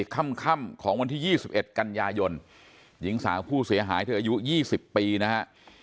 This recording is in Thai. ค่ำของวันที่๒๑กันยายนหญิงสาวผู้เสียหายเธออายุ๒๐ปีนะฮะ